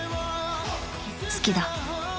好きだ